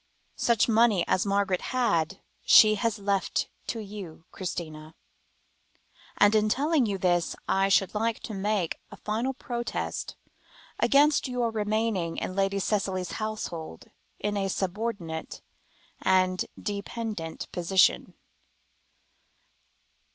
"Such money as Margaret had she has left to you, Christina, and in telling you this, I should like to make a final protest against your remaining in Lady Cicely's household, in a subordinate and dependent position."